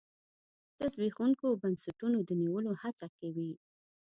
د زبېښونکو بنسټونو د نیولو هڅه کې وي.